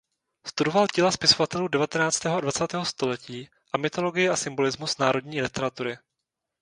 Studoval díla spisovatelů devatenáctého a dvacátého století a mytologii a symbolismus národní literatury.